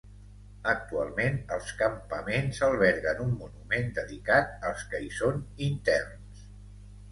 Actualment els campaments alberguen un monument dedicat als que hi són interns.